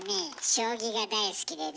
将棋が大好きでね。